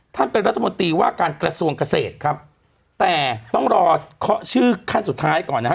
ท่านเป็นรัฐมนตรีว่าการกระทรวงเกษตรครับแต่ต้องรอเคาะชื่อขั้นสุดท้ายก่อนนะฮะ